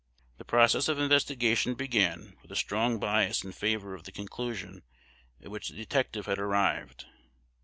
The process of investigation began with a strong bias in favor of the conclusion at which the detective had arrived.